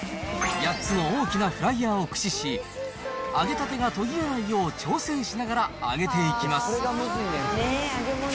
８つの大きなフライヤーを駆使し、揚げたてが途切れないよう調整しながら揚げていきます。